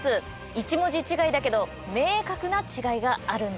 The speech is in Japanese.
１文字違いだけど明確な違いがあるんです。